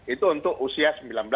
itu untuk usia sembilan belas dua puluh